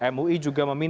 mui juga memimpin